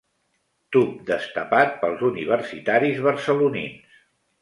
Tub destapat pels universitaris barcelonins.